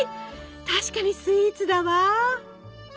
確かにスイーツだわ。